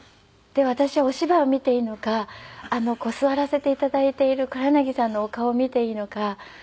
で私お芝居を見ていいのか座らせて頂いている黒柳さんのお顔を見ていいのか。